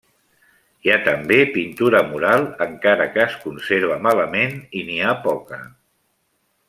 Hi ha també pintura mural, encara que es conserva malament i n'hi ha poca.